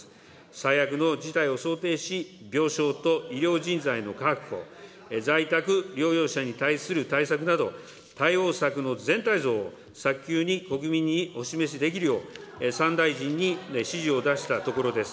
最悪の事態を想定し、病床と医療人材の確保、在宅療養者に対する対策など、対応策の全体像を早急に国民にお示しできるよう、３大臣に指示を出したところです。